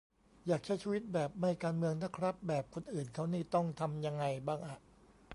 อยากใช้ชีวิตแบบ "ไม่การเมืองนะครับ" แบบคนอื่นเค้านี่ต้องทำยังไงบ้างอะ